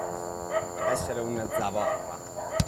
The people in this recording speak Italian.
Essere una zavorra.